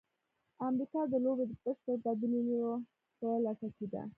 امریکا د لوبې د بشپړ بدلولو په لټه کې ده.